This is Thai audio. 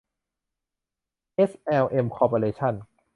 เอส แอล เอ็ม คอร์ปอเรชั่น